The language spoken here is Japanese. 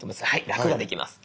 楽ができます。